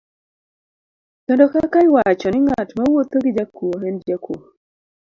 Kendo kaka iwacho ni ng'at mawuotho gi jakuo en jakuo.